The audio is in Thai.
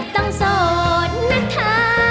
ต้องโสดนะเธอ